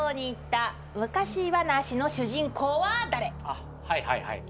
あっはいはいはい。